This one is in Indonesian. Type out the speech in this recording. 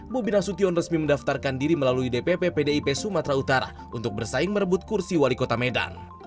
bobi nasution resmi mendaftarkan diri melalui dpp pdip sumatera utara untuk bersaing merebut kursi wali kota medan